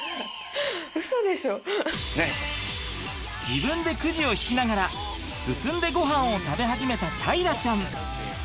自分でくじを引きながら進んでごはんを食べ始めた大樂ちゃん。